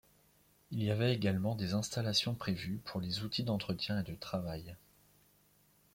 Il y avait également des installations prévues pour les outils d'entretien et de travail.